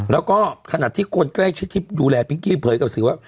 แล้วก็ขณะที่คนแกร่ชืนให้ดูแลปิ้งกี้ภัยกับศรีวะ